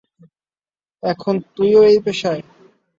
এখন তুইও এই পেশায়?